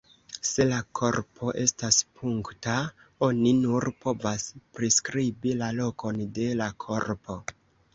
Se la korpo estas punkta, oni nur povas priskribi la lokon de la korpo.